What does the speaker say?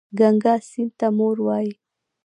ګنګا سیند ته مور وايي.